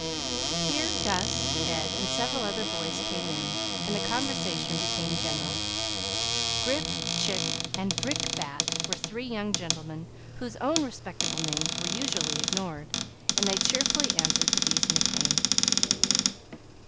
Here Gus, Ed, and several other boys came in, and the conversation became general. Grif, Chick, and Brickbat were three young gentlemen whose own respectable names were usually ignored, and they cheerfully answered to these nicknames.